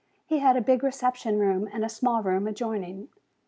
He had a big reception room and a small room adjoining.